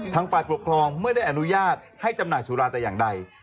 ฝ่ายปกครองไม่ได้อนุญาตให้จำหน่ายสุราแต่อย่างใด